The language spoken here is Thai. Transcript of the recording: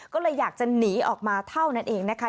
ก็เลยอยากจะหนีออกมาเท่านั้นเองนะคะ